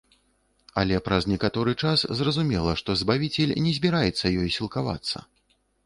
Але праз некаторы час зразумела, што збавіцель не збіраецца ёй сілкавацца.